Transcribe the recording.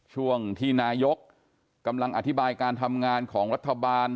ช่วงที่นายกกำลังอธิบายการทำงานของรัฐบาล